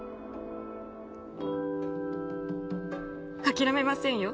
諦めませんよ。